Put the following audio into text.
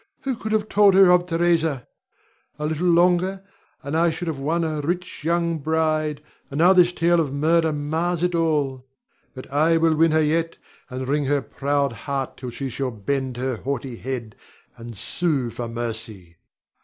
Who could have told her of Theresa? A little longer, and I should have won a rich young bride, and now this tale of murder mars it all. But I will win her yet, and wring her proud heart till she shall bend her haughty head and sue for mercy.